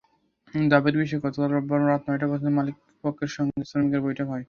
দাবির বিষয়ে গতকাল রোববার রাত নয়টা পর্যন্ত মালিকপক্ষের সঙ্গে শ্রমিকদের বৈঠক হয়।